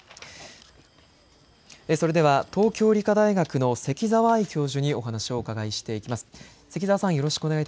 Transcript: それでは東京理科大学の関澤愛教授にお話をお伺いしていきます。